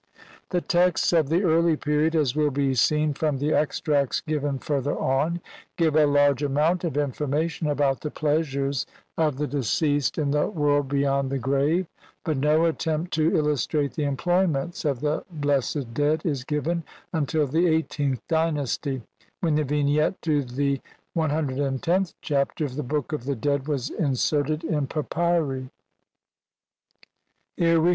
The texts of the early period, as will be seen from the extracts given further on, give a large amount of information about the pleasures of the deceased in CXII INTRODUCTION. the world beyond the grave, but no attempt to illu strate the employments of the blessed dead is given until the eighteenth dynasty, when the Vignette to the CXth Chapter of the Book of the Dead was in serted in papyri.